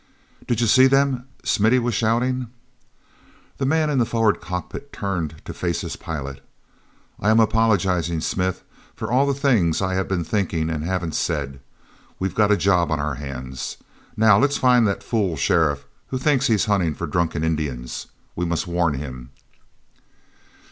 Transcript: "Did you see them?" Smithy was shouting. The man in the forward cockpit turned to face his pilot. "I am apologizing, Smith, for all the things I have been thinking and haven't said. We've got a job on our hands. Now let's find that fool sheriff who thinks he's hunting for drunken Indians. We must warn him."